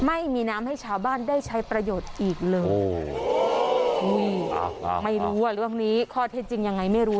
ไม่มีน้ำให้ชาวบ้านได้ใช้ประโยชน์อีกเลยไม่รู้ว่าเรื่องนี้ข้อเท็จจริงยังไงไม่รู้